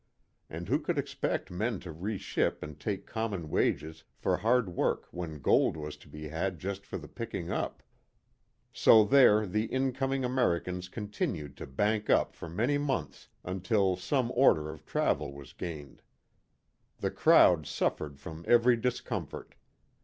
And who could expect men to re ship and take common wages for hard work when gold was to be had just for the picking up ? So there the incoming Americans continued to bank up for many months until some order of travel was gained. The crowd suffered from every discomfort.